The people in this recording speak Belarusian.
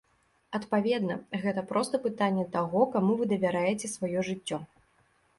Адпаведна, гэта проста пытанне таго, каму вы давяраеце сваё жыццё.